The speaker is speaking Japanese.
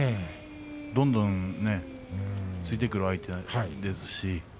どんどん突いてくる相手ですし。